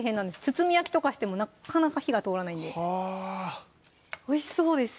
包み焼きとかしてもなっかなか火が通らないんでおいしそうです